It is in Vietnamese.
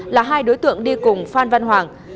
là hai đối tượng đi cùng phan văn hoàng